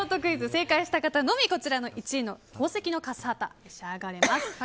正解した方のみこちらの１位の宝石のカッサータ召し上がれます。